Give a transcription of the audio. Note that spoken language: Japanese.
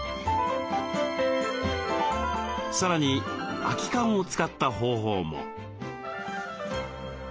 さらに空き缶を使った方法も。